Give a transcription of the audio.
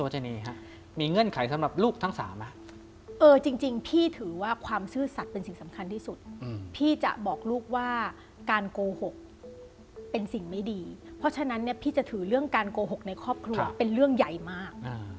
จริงยิ่งน่ารังเกียจหนักไปอีก